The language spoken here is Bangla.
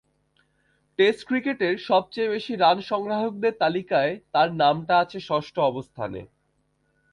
টেস্ট ক্রিকেটের সবচেয়ে বেশি রান সংগ্রাহকদের তালিকায় তাঁর নামটা আছে ষষ্ঠ অবস্থানে।